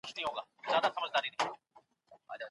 يووالي او پرمختګ سره تړلي دي.